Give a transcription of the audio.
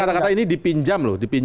karena kata kata ini dipinjam loh